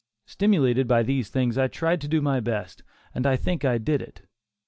Stimulated by these things, I tried to do my best, and I think I did it.